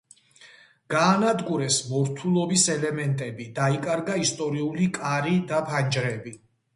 გაანადგურეს მორთულობის ელემენტები, დაიკარგა ისტორიული კარი და ფანჯრები.